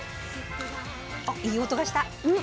あいい音がした。